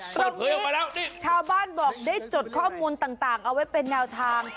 ตรงนี้ชาวบ้านบอกได้จดข้อมูลต่างเอาไว้เป็นแนวทาง